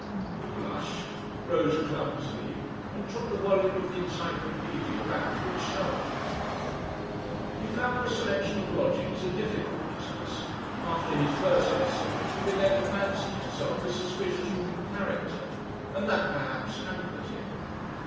He blushed, rose clumsily and took the volume of the Encyclopaedia back to its shelf. He found the selection of lodgings a difficult business. After his first essay he began to fancy himself a suspicious looking character, and that perhaps hampered him.